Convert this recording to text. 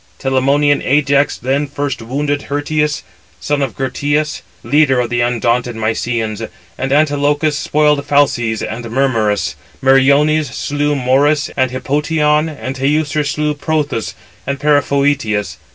Telamonian Ajax then first wounded Hyrtius, son of Gyrtias, leader of the undaunted Mysians; and Antilochus spoiled Phalces and Mermerus; Meriones slew Morys and Hippotion; and Teucer slew Prothous and Periphœtes.